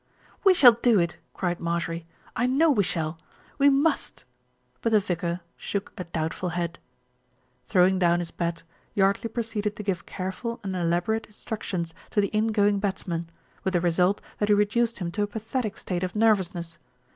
"We shall do it," cried Marjorie. "I know we shall we must"; but the vicar shook a doubtful head. Throwing down his bat, Yardley proceeded to give careful and elaborate instructions to the in going bats man, with the result that he reduced him to a pathetic SMITH BECOMES A POPULAR HERO 211 state of nervousness.